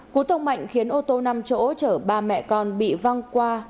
cú tông mạnh khiến ô tô năm chỗ chở ba mẹ con bị văng qua